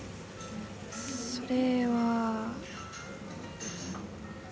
それは。